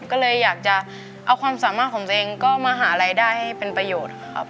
ก็เลยอยากจะเอาความสามารถของตัวเองก็มาหารายได้ให้เป็นประโยชน์ครับ